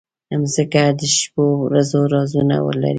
مځکه د شپو ورځو رازونه لري.